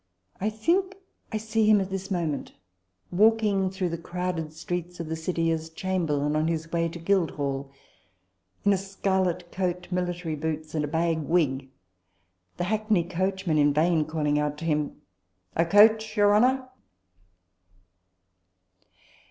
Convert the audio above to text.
I think I see him at this moment, walking through the crowded streets of the City, as Chamberlain, on his way to Guildhall, in a scarlet coat, military boots, and a bag wig the hackney coachmen in vain calling out to him, " A coach, your honour